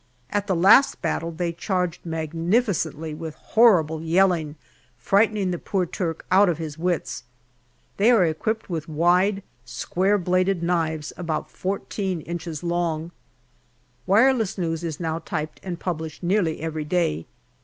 At the last battle they charged magni ficently with horrible yelling, frightening the poor Turk out of his wits. They are equipped with wide, square bladed knives about 14 inches long. Wireless news is now typed and published nearly every day.